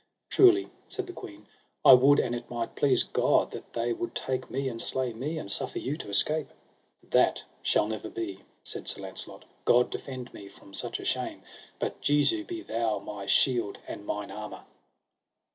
Truly, said the queen, I would an it might please God that they would take me and slay me, and suffer you to escape. That shall never be, said Sir Launcelot, God defend me from such a shame, but Jesu be Thou my shield and mine armour!